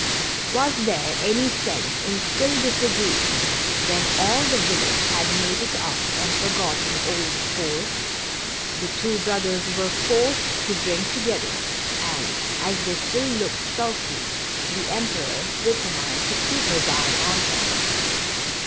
Was MORE JOLLIFICATION. 231 there any sense in still disagreeing when all i ^ illage had made it up and forgotten old scores? The two brothers were forced to drink together, and, as they still looked sulky, the Emperor determined to keep his eye on them.